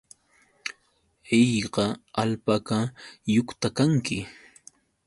¿Hayka alpakayuqta kanki?